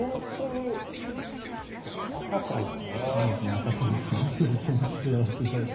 赤ちゃんを育ててる気持ちでやらせていただいて。